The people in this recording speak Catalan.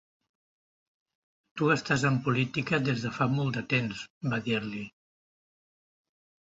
Tu estàs en política des de fa molt de temps, va dir-li.